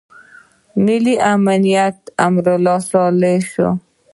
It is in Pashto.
ملي امنیت د امرالله شو.